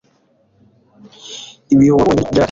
ibi wabonye ryari